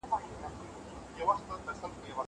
زه پرون ليک ولوست!!